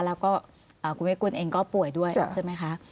แล้วก็คุณเวกุลเองก็ป่วยด้วยใช่ไหมคะ